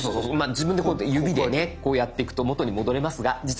自分でこうやって指でねこうやっていくと元に戻れますが実は。